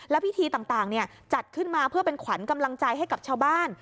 พิธีต่างจัดขึ้นมาเพื่อเป็นขวัญกำลังใจให้กับชาวบ้าน